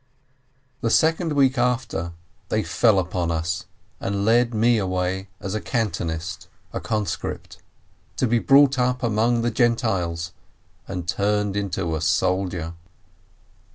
70 PEEEZ The second week after they fell upon us and led me away as a Cantonist, to be brought up among the Gen tiles and turned into a soldier.